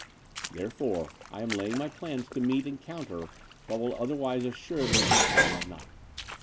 Therefore, I am laying my plans to meet and counter what will otherwise assuredly happen on that night.